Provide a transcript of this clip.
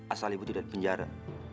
asal ibu tidak dipenjara